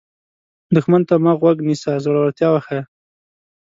دښمن ته مه غوږ نیسه، زړورتیا وښیه